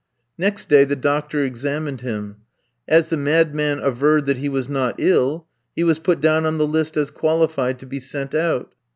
Next day the doctor examined him. As the madman averred that he was not ill, he was put down on the list as qualified to be sent out.